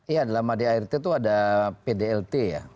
iya dalam adart itu ada pdlt ya